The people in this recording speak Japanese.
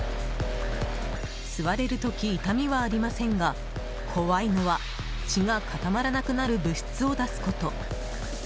吸われる時、痛みはありませんが怖いのは血が固まらなくなる物質を出すこと。